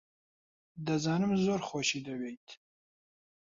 دەزانم زۆر خۆشی دەوێیت.